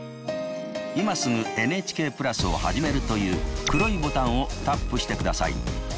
「今すぐＮＨＫプラスをはじめる」という黒いボタンをタップしてください。